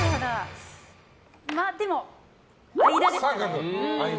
でも、間ですね。